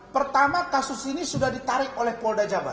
pertama kasus ini sudah ditarik oleh polda jabar